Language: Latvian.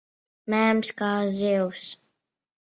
Mēms kā zivs.